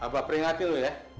abah peringatin lo ya